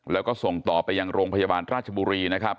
แล้วก็ส่งต่อไปยังโรงพยาบาลราชบุรีนะครับ